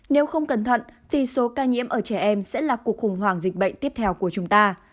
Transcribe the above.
nếu không cẩn thận thì số ca nhiễm ở trẻ em sẽ là cuộc khủng hoảng dịch bệnh tiếp theo của chúng ta